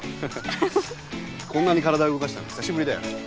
こんなに体動かしたの久しぶりだよ。